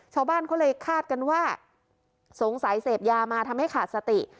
ชาวบ้านเขาเลยคาดกันว่าสงสัยเสพยามาทำให้ขาดสติ